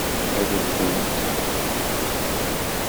Ad bdunt.